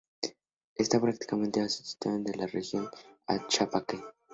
Está prácticamente ausente de la región chaqueña.